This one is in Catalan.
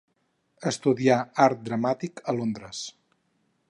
Estudià art dramàtic a Londres.